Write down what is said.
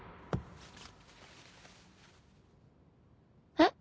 えっ？